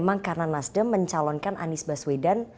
memang karena nasdem mencalonkan anies baswedan